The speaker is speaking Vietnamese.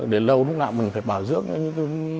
đến lâu lúc nào mình phải bảo dưỡng